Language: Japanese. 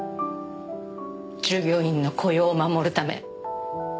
従業員の雇用を守るため。